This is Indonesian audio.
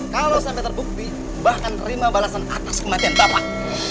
kalau sampai terbukti bahkan terima balasan atas kematian bapak